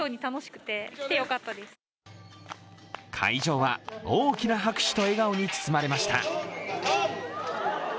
会場は大きな拍手と笑顔に包まれました。